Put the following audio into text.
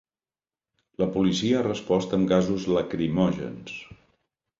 La policia ha respost amb gasos lacrimògens.